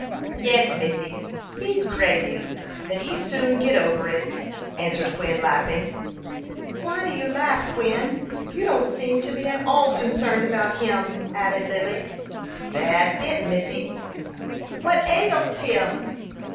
"Yes, missy, he's crazy; but he soon git ober it," answered Quin, laughing. "Why do you laugh, Quin? You don't seem to be at all concerned about him," added Lily. "Bad fit, missy!" "What ails him?"